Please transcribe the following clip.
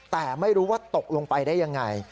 แต่ไม่รู้ว่าตกลงไปได้ยังไง